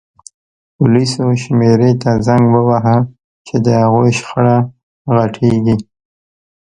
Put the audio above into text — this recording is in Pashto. پولیسو شمېرې ته زنګ ووهه چې د هغوی شخړه غټیږي